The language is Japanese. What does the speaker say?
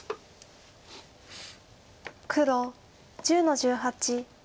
黒１０の十八。